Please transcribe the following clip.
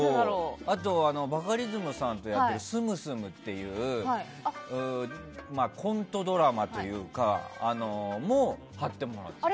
あと、バカリズムさんとやってる「住住」っていうコントドラマ、それも貼ってもらってて。